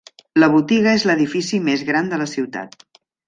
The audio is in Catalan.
La botiga és l'edifici més gran de la ciutat.